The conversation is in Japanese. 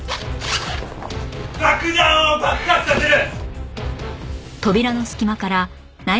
爆弾を爆発させる！